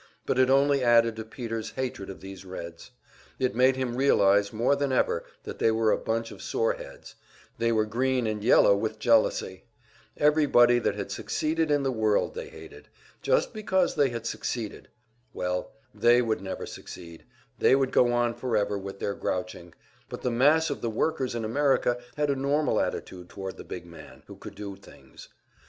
But it only added to Peter's hatred of these Reds; it made him realize more than ever that they were a bunch of "sore heads," they were green and yellow with jealousy. Everybody that had succeeded in the world they hated just because they had succeeded! Well, they would never succeed; they could go on forever with their grouching, but the mass of the workers in America had a normal attitude toward the big man, who could do things.